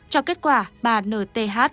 cho kết quả bà nth